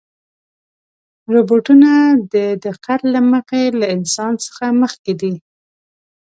روبوټونه د دقت له مخې له انسان څخه مخکې دي.